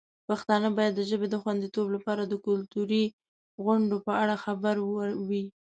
پښتانه باید د ژبې د خوندیتوب لپاره د کلتوري غونډو په اړه خبر وي.